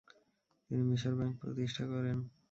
তিনি Misr bank প্রতিষ্ঠা করেন।